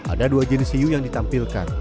ada dua jenis hiu yang ditampilkan